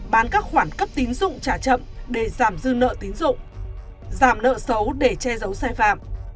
bán các khoản cấp tín dụng trả chậm để giảm dư nợ tín dụng giảm nợ xấu để che giấu sai phạm